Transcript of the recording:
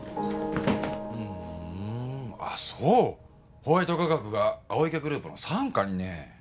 ホワイト化学が青池グループの傘下にね。